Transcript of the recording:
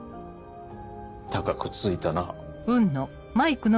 高くついたな。